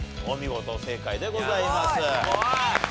お見事正解でございます。